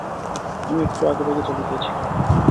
আমি একটু আগেভাগেই চলে গিয়েছিলাম।